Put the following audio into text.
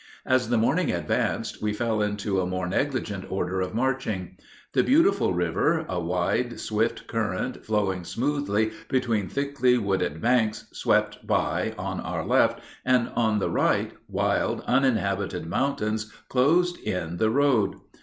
As the morning advanced we fell into a more negligent order of marching. The beautiful river, a wide, swift current, flowing smoothly between thickly wooded banks, swept by on our left, and on the right wild, uninhabited mountains closed in the road.